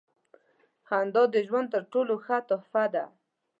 • خندا د ژوند تر ټولو ښه تحفه ده.